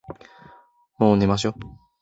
もう寝ましょ。